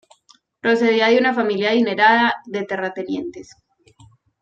Procedía de una familia adinerada de terratenientes.